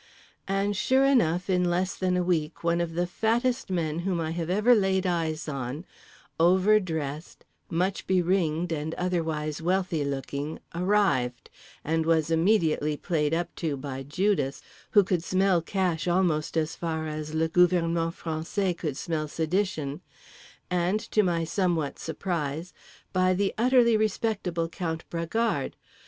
And sure enough, in less than a week one of the fattest men whom I have ever laid eyes on, over dressed, much beringed and otherwise wealthy looking, arrived—and was immediately played up to by Judas (who could smell cash almost as far as le gouvernement français could smell sedition) and, to my somewhat surprise, by the utterly respectable Count Bragard.